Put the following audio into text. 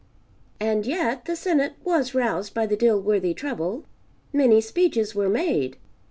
And yet the Senate was roused by the Dilworthy trouble. Many speeches were made.